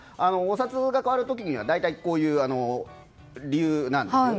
お札が変わる時は大体こういう理由なんです。